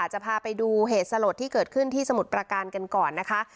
จะพาไปดูเหตุสลดที่เกิดขึ้นที่สมุทรประการกันก่อนนะคะ